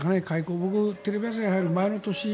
僕がテレビ朝日に入る前の年。